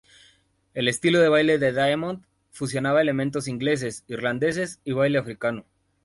El estilo de baile de Diamond fusionaba elementos ingleses, irlandeses, y baile africano.